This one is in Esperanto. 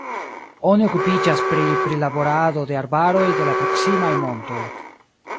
Oni okupiĝas pri prilaborado de arbaroj de la proksimaj montoj.